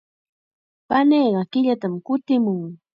Paniiqa killatam kutimun.